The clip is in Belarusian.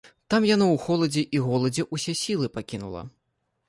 Там яна ў холадзе і голадзе ўсе сілы пакінула.